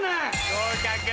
合格。